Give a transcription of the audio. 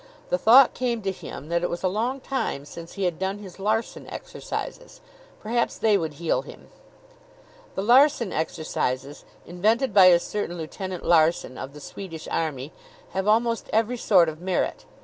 The thought came to him that it was a long time since he had done his Larsen Exercises. Perhaps they would heal him. The Larsen Exercises, invented by a certain Lieutenant Larsen, of the Swedish Army, have almost every sort of merit.